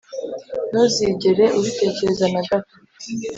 ntuzigere ubitekereza nagato